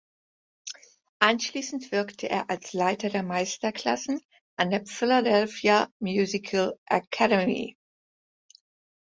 Anschließend wirkte er als Leiter der Meisterklassen an der "Philadelphia Musical Academy".